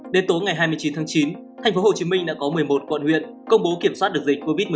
đến tối ngày hai mươi chín tháng chín tp hcm đã có một mươi một quận huyện công bố kiểm soát được dịch covid một mươi chín